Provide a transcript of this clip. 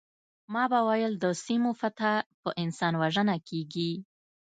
ما به ویل د سیمو فتح په انسان وژنه کیږي